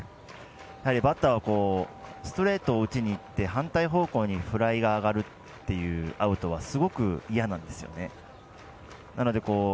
バッターはストレートを打ちにいって反対方向にフライが上がるっていうアウトはすごく嫌なんですよね。